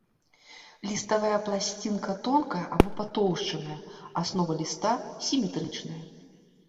Ліставая пласцінка тонкая або патоўшчаная, аснова ліста сіметрычная.